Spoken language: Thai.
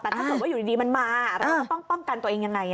แต่ถ้าเกิดว่าอยู่ดีมันมาเราก็ต้องป้องกันตัวเองยังไง